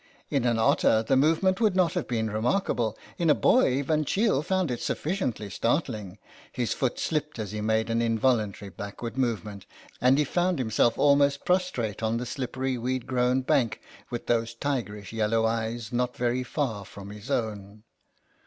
In an otter the movement would not have been remarkable ; in a boy Van Cheele found it sufficiently startling. His foot slipped as he made an involuntarily backward movement, and he found himself almost prostrate on the slippery weed grown bank, with those tigerish yellow eyes not very far from his own.